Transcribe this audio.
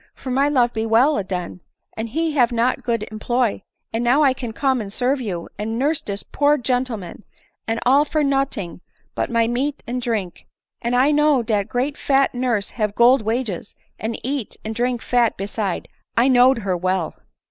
for my love be well aden, and he have got good employ ; and now I can come and serve you, and nurse dis poor gen tleman, and all for noting but my meat and drink ; and I know dat great fat nurse have gold wages, and eat and drink fat beside — I knowd her well."